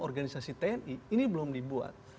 organisasi tni ini belum dibuat